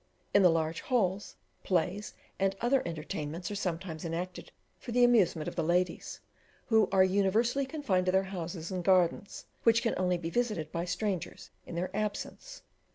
In the large halls plays and other entertainments are sometimes enacted for the amusement of the ladies, who are universally confined to their houses and gardens, which can only be visited by strangers in their absence.